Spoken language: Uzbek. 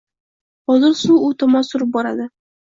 Hozir suv u tomon surib boradi-